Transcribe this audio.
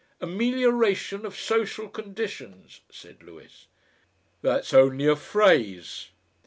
"Amelioration of Social Conditions," said Lewis. "That's only a phrase!"